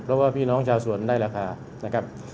เพราะว่าพี่น้องชาวสวนได้ราคานะครับ